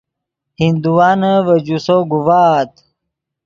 ہندوانے ڤے جوسو گوڤآت